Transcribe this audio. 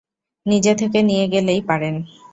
নিজে থেকেই নিয়ে গেলেই পারেন।